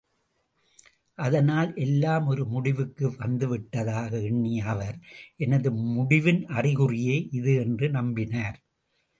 அதனால், எல்லாம் ஒரு முடிவுக்கு வந்துவிட்டதாக எண்ணிய அவர், எனது முடிவின் அறிகுறியே இது என்று நம்பினார்!